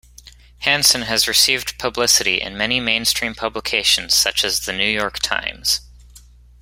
Hanson has received publicity in many mainstream publications such as the "New York Times".